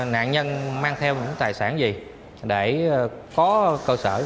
nạn nhân mang theo những tài sản gì để có cơ sở